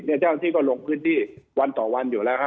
เจ้าหน้าที่ก็ลงพื้นที่วันต่อวันอยู่แล้วฮะ